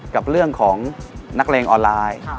กับเรื่องของนักเลงออนไลน์